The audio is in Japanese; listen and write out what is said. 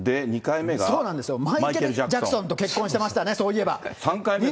そうなんですよ、マイケル・ジャクソンと結婚してましたね、そういえばね。